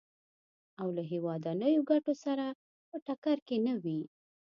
او له هېوادنیو ګټو سره په ټکر کې نه وي.